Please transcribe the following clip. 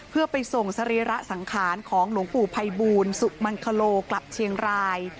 เพื่อไปส่งสรีระสังขารของหลวงปู่ภัยบูลสุมังคโลกลับเชียงราย